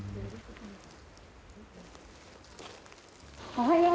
おはよう。